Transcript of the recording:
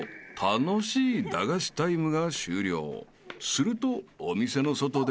［するとお店の外で］